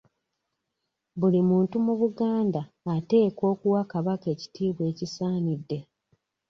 Buli muntu mu Buganda ateekwa okuwa Kabaka ekitiibwa ekisaanidde.